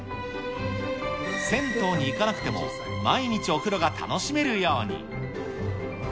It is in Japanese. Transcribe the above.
銭湯に行かなくても、毎日お風呂が楽しめるように。